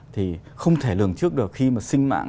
thì không thể lường trước được khi mà sinh mạng